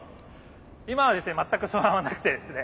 今はですね全く不安はなくてですね